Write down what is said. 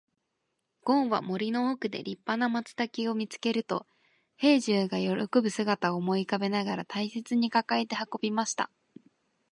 ごんは森の奥で立派な松茸を見つけると、兵十が喜ぶ姿を思い浮かべながら大切に抱えて運びました。